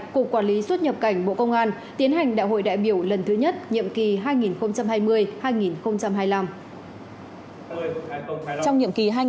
cục quản lý xuất nhập cảnh bộ công an tiến hành đại hội đại biểu lần thứ nhất nhiệm kỳ hai nghìn hai mươi hai nghìn hai mươi năm